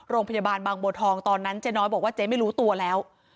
โรงพยาบาลบางบัวทองตอนนั้นเจ๊น้อยบอกว่าเจ๊ไม่รู้ตัวแล้ว